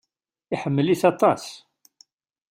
Iḥemmel-it aṭas.